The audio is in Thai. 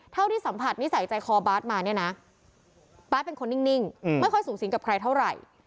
เท่าที่สัมผัสนิสัยใจคอบาร์ดมาเนี่ยนะบาทเป็นคนนิ่งไม่ค่อยสูงสิงกับใครเท่าไหร่